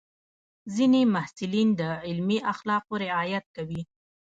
ځینې محصلین د علمي اخلاقو رعایت کوي.